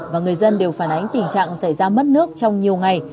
và người dân đều phản ánh tình trạng xảy ra mất nước trong nhiều ngày